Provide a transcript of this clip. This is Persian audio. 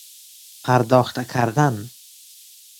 پرداخته کردن